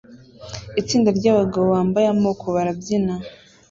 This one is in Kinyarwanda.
Itsinda ryabagabo bambaye amoko barabyina